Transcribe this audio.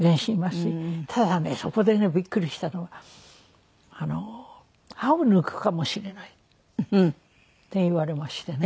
ただねそこでねビックリしたのは「歯を抜くかもしれない」って言われましてね。